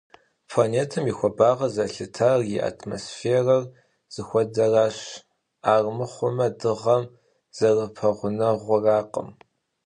Планетэм и хуэбагъыр зэлъытар и атмосферэр зыхуэдэращ, армыхъумэ Дыгъэм зэрыпэгъунэгъуракъым.